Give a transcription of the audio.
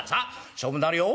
勝負になるよ。